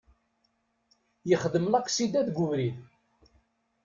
Yexdem laksida deg ubrid.